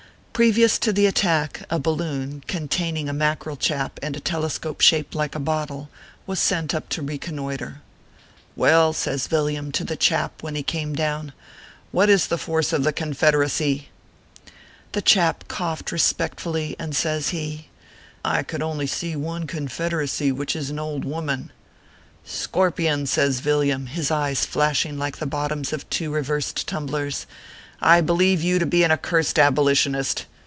Previous to the attack, a balloon, containing a Mackerel chap, and a telescope shaped like a bottle, was sent up to reconnoitre. " Well/ says Yilliam to the chap when he came down, " what is the force of the Confederacy ?" The chap coughed respectfully, and says he : "I could only see one Confederacy, which, is an old woman \"" Scorpion !" says VilKam, his eyes flashing like the bottoms of two reversed tumblers, " I believe you to be an accursed abolitionist.